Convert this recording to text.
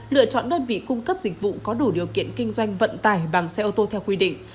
lựa chọn đơn vị cung cấp dịch vụ có đủ điều kiện kinh doanh vận tải bằng xe ô tô theo quy định